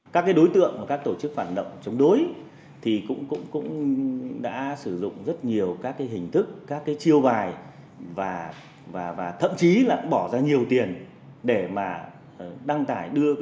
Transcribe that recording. các cái đối tượng và các tổ chức phản động chống đối thì cũng đã sử dụng rất nhiều các cái hình thức các cái chiêu bài và thậm chí là bỏ ra nhiều tiền để mà đăng tải